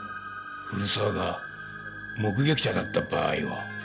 古沢が目撃者だった場合は？